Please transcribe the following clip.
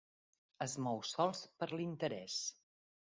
Es mou sols per l'interès.